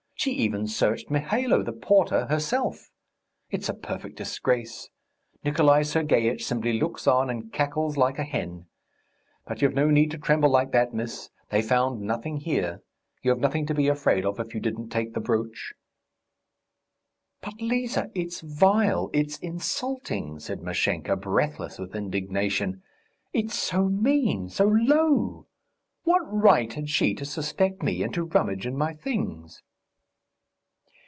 She even searched Mihailo, the porter, herself. It's a perfect disgrace! Nikolay Sergeitch simply looks on and cackles like a hen. But you've no need to tremble like that, miss. They found nothing here. You've nothing to be afraid of if you didn't take the brooch." "But, Liza, it's vile ... it's insulting," said Mashenka, breathless with indignation. "It's so mean, so low! What right had she to suspect me and to rummage in my things?"